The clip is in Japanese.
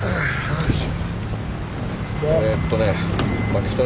よいしょ。